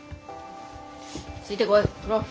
ついてこいほら。